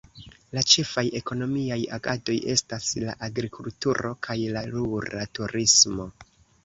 La ĉefaj ekonomiaj agadoj estas la agrikulturo kaj la rura turismo.